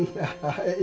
はい。